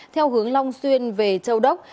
theo hướng long xuyên về châu đốc